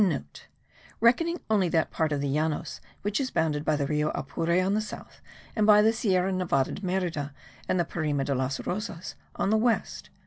(* Reckoning only that part of the Llanos which is bounded by the Rio Apure on the south, and by the Sierra Nevada de Merida and the Parima de las Rosas on the west.)